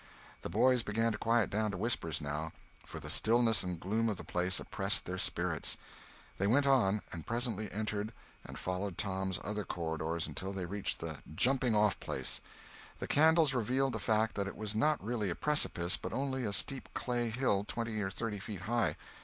The boys began to quiet down to whispers, now, for the stillness and gloom of the place oppressed their spirits. They went on, and presently entered and followed Tom's other corridor until they reached the "jumping off place." The candles revealed the fact that it was not really a precipice, but only a steep clay hill twenty or thirty feet high.